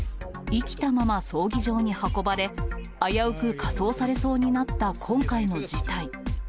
生きたまま葬儀場に運ばれ、危うく火葬されそうになった今回の事態。